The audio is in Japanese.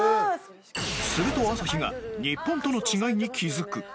すると朝日が日本との違いに気付く